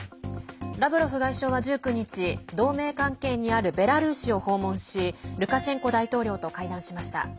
ラブロフ外相は１９日同盟関係にあるベラルーシを訪問しルカシェンコ大統領と会談しました。